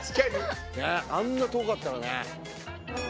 ねえあんな遠かったらね。